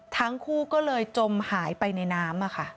ทั้งคู่ก็เลยจมหายไปในน้ำ